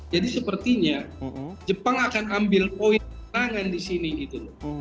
jadi sepertinya jepang akan ambil poin menang di sini gitu loh